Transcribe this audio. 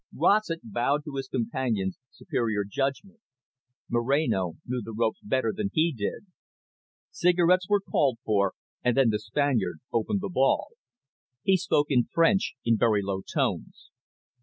Rossett bowed to his companion's superior judgment. Moreno knew the ropes better than he did. Cigarettes were called for, and then the Spaniard opened the ball. He spoke in French, in very low tones.